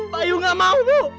bayu gak mau bu